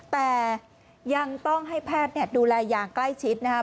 แต่ยังต้องให้แพทย์ดูแลอย่างใกล้ชิดนะครับ